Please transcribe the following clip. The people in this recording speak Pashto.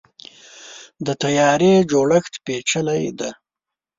د طیارې جوړښت پیچلی دی.